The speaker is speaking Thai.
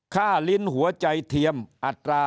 ลิ้นหัวใจเทียมอัตรา